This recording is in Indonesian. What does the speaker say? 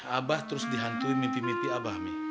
abah terus dihantui mimpi mimpi abah mi